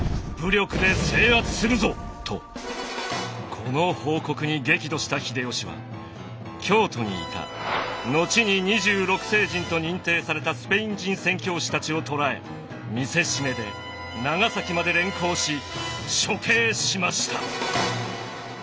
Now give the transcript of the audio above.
この報告に激怒した秀吉は京都にいた後に二十六聖人と認定されたスペイン人宣教師たちを捕らえ見せしめで長崎まで連行し処刑しました。